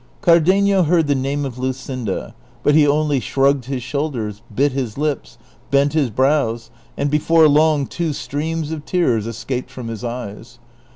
Cardenio heard the name of Luscinda, but lie only shrugged his shoulders, bit his lips, bent his brows, and before long two streams of tears escaped from his eyes.